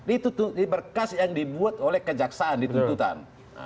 itu berkas yang dibuat oleh kejaksaan di tuntutan